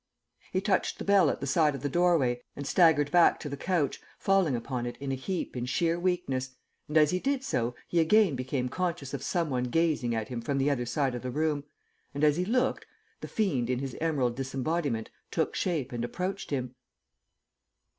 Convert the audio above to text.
He touched the bell at the side of the doorway and staggered back to the couch, falling upon it in a heap in sheer weakness, and as he did so he again became conscious of someone gazing at him from the other side of the room, and as he looked, the fiend in his emerald disembodiment took shape and approached him.